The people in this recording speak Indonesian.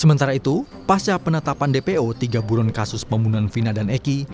sementara itu pasca penetapan dpo tiga buron kasus pembunuhan vina dan eki